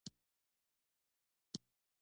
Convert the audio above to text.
دا د اتیلا په مشرۍ د رومیانو پرضد جګړه وه